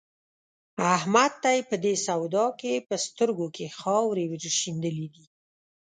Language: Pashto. احمد ته يې په دې سودا کې په سترګو کې خاورې ور شيندلې دي.